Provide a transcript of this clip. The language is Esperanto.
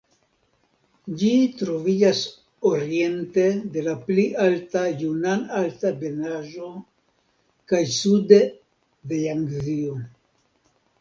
Ĝi troviĝas oriente de la pli alta Junan-Altebenaĵo kaj sude de Jangzio.